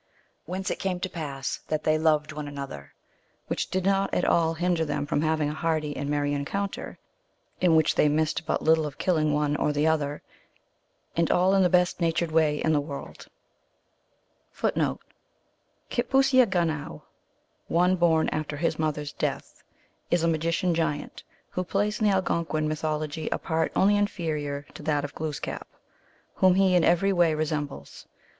Whence it came to pass that they loved one another, which did not at all hinder them from having a hearty and merry encounter, in which they missed but little of killing one or the other, and all in the best natured way in the world. Now, having come to Pulewech Munegoo, the lord 1 Kitpooseagunoiv, " one born after his mother s death," is a magician giant, who plays in the Algonquin mythology a part only inferior to that of Glooskap, whom he in every way resem bles.